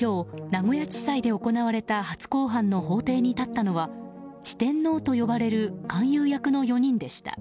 今日名古屋地裁で行われた初公判の法廷に立ったのは四天王と呼ばれる勧誘役の４人でした。